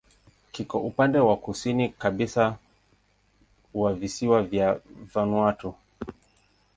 Kiko upande wa kusini kabisa wa visiwa vya Vanuatu.